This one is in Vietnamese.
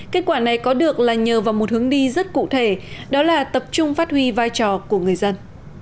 kết quả này có được là nhờ vào một hướng đi rất cụ thể đó là tập trung phát huy vai trò của người dân